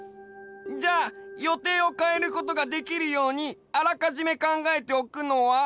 じゃあ予定をかえることができるようにあらかじめ考えておくのは？